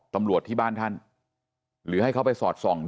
ตำรวจที่บ้านคณ